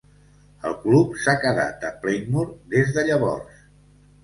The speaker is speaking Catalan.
El club s'ha quedat a Plainmoor des de llavors.